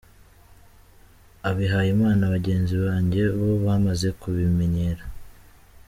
Abihayimana bagenzi banjye bo bamaze kubimenyera.